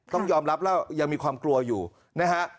ต้องยอมรับแล้วยังมีความกลัวอยู่นะฮะ